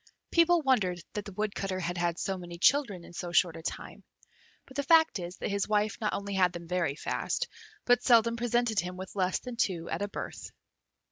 People wondered that the Woodcutter had had so many children in so short a time; but the fact is, that his wife not only had them very fast, but seldom presented him with less than two at a birth.